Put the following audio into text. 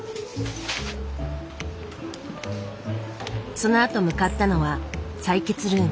そのあと向かったのは採血ルーム。